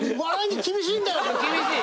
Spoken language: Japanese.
厳しい。